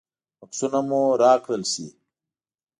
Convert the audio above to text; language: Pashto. بکسونه مو راکړل شي.